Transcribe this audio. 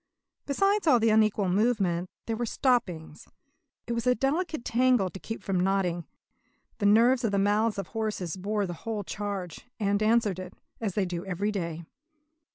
Besides all the unequal movement, there were the stoppings. It was a delicate tangle to keep from knotting. The nerves of the mouths of horses bore the whole charge and answered it, as they do every day.